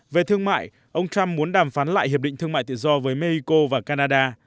về thương mại ông trump muốn đàm phán lại hiệp định thương mại tự do với mexico và canada